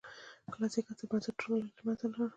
کلاسیک عصر بنسټونه ولې له منځه لاړل.